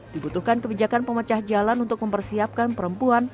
dibutuhkan kebijakan pemecah jalan untuk mempersiapkan perempuan